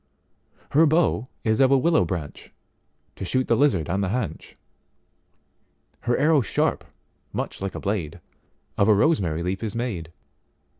Her bow is of a willow branch, To shoot the lizard on the haunch:Her arrow sharp, much like a blade, Of a rosemary leaf is made.